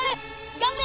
頑張れ！